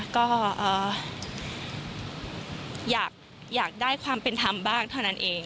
ก็อยากได้ความเป็นธรรมบ้างเท่านั้นเอง